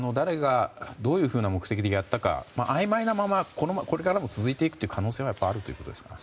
これは誰がどういうふうな目的でやったかあいまいなままこれからも続いていく可能性はやはり、あるということですか。